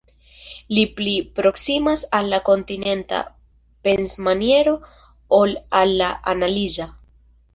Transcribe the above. Li pli proksimas al la kontinenta pensmaniero ol al la analiza.